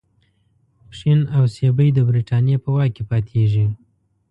پښین او سیبی د برټانیې په واک کې پاتیږي.